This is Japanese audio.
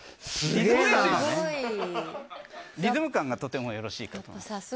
リズム感がとてもよろしいかと思います。